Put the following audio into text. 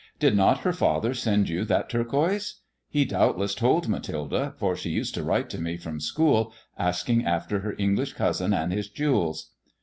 Did not her father send you that turquoise] He doubtless told Mathilde, for she used to write to me from school asking after her English cousin and his jewels."